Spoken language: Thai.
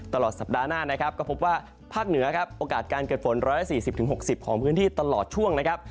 ตลอดสัปดาห์หน้าก็พบว่าภาคเหนือโอกาสการเกิดฝน๑๔๐๖๐ของพื้นที่ตลอดช่วง